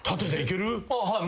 はい。